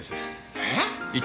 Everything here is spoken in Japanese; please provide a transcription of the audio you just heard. えっ！？